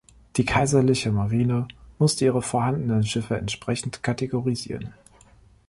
Die Kaiserliche Marine musste ihre vorhandenen Schiffe entsprechend kategorisieren.